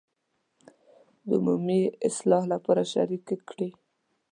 د عمومي اصلاح لپاره شریکې کړي.